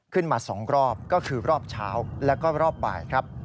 ขึ้นมา๒รอบก็คือรอบเช้าแล้วก็รอบบ่ายครับ